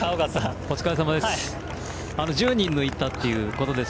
お疲れさまです。